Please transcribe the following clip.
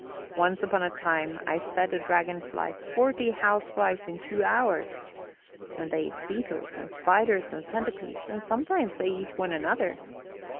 Once upon a time I fed a dragon fly forty house flies in two hours. And they eat beetles and spiders and centipedes. And sometimes they eat one another."